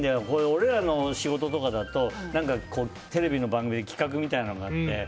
俺らの仕事とかだとテレビの番組で企画みたいなのがあって。